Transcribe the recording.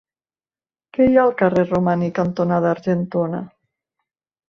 Què hi ha al carrer Romaní cantonada Argentona?